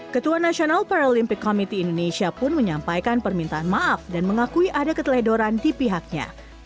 ketua nasional paralympic committee indonesia pun menyampaikan permintaan maaf dan mengakui ada keteledoran di pihaknya